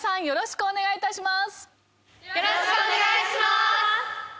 よろしくお願いします！